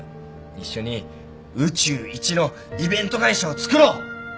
一緒に宇宙一のイベント会社をつくろう！